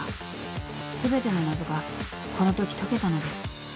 ［全ての謎がこのとき解けたのです］